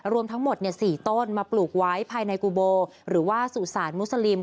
รวมทั้งหมด๔ต้นมาปลูกไว้ภายในกูโบหรือว่าสุสานมุสลิม